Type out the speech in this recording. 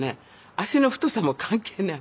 脚の太さも関係ない。